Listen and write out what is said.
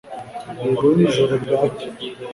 Yego nijoro bwacya